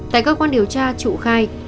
tại cơ quan điều tra trụ khai